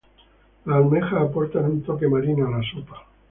Las almejas aportan un toque marino a la sopa.